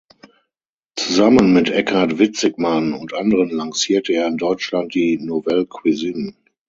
Zusammen mit Eckart Witzigmann und anderen lancierte er in Deutschland die Nouvelle Cuisine.